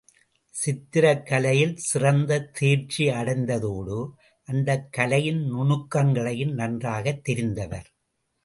சித்திரக் கலையில் சிறந்த தேர்ச்சி அடைந்ததோடு அந்தக் கலையின் நுணுக்கங்களையும் நன்றாகத் தெரிந்தவர்.